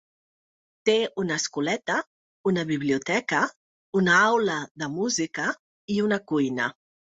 Té una escoleta, una biblioteca, una aula de música i una cuina.